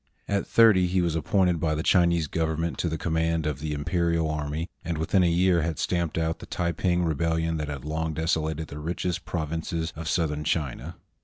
At thirty he was appointed by the Chinese Government to the command of the Imperial army, and within a year had stamped out the Taiping Rebel lion that had long desolated the richest provinces of south ern China.